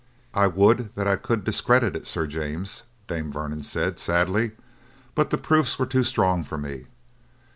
"I would that I could discredit it, Sir James," Dame Vernon said sadly; "but the proofs were too strong for me.